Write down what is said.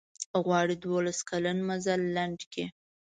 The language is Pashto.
غواړي دولس کلن مزل لنډ کړي.